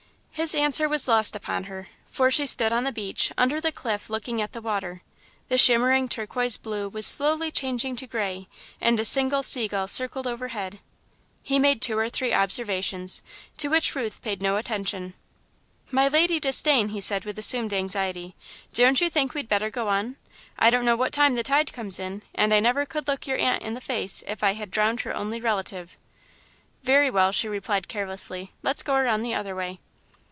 His answer was lost upon her, for she stood on the beach, under the cliff, looking at the water. The shimmering turquoise blue was slowly changing to grey, and a single sea gull circled overhead. He made two or three observations, to which Ruth paid no attention. "My Lady Disdain," he said, with assumed anxiety, "don't you think we'd better go on? I don't know what time the tide comes in, and I never could look your aunt in the face if I had drowned her only relative." "Very well," she replied carelessly, "let's go around the other way."